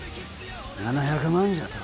７００万じゃと？